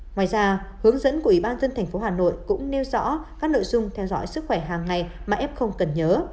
ngoài ra hướng dẫn của ủy ban dân thành phố hà nội cũng nêu rõ các nội dung theo dõi sức khỏe hàng ngày mà f không cần nhớ